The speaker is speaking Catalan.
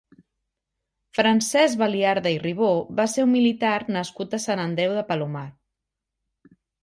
Francesc Baliarda i Ribó va ser un militar nascut a Sant Andreu de Palomar.